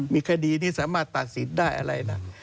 มีคดีนี้สามารถตัดสินได้อะไร